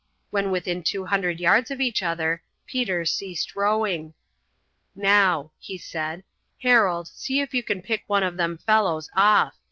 When within two hundred yards of each other Peter ceased rowing. "Now," he said, "Harold, see if you can pick one of them fellows off.